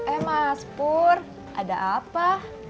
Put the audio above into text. eh mas pur ada apa